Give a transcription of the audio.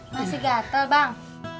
masih gatel bang